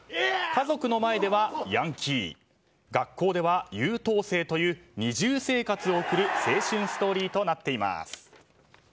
家族の前ではヤンキー学校では優等生という二重生活を送る青春ストーリーとなっています。